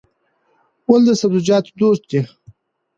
غول د سبزیجاتو دوست دی.